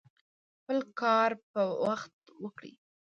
خپل کار په وخت وکړئ